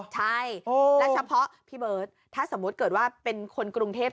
ใช่แล้วเฉพาะพี่เบิร์ตถ้าสมมุติเกิดว่าเป็นคนกรุงเทพ